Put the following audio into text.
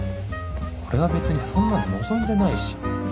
俺は別にそんなの望んでないし